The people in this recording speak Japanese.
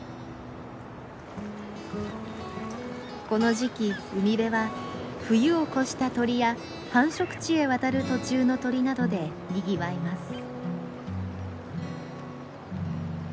この時期海辺は冬を越した鳥や繁殖地へ渡る途中の鳥などでにぎわいます。